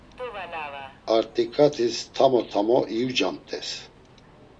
Artikatis tamo tamo iucamt̆es.